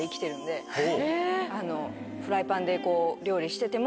フライパンで。